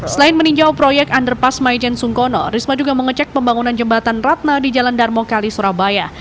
selain meninjau proyek underpass maijen sungkono risma juga mengecek pembangunan jembatan ratna di jalan darmo kali surabaya